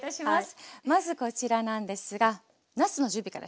まずこちらなんですがなすの準備からしますね。